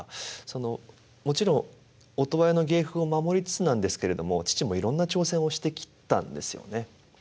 もちろん音羽屋の芸風を守りつつなんですけれども父もいろんな挑戦をしてきたんですよね。